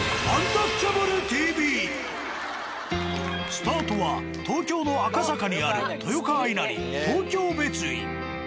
スタートは東京の赤坂にある豊川稲荷東京別院。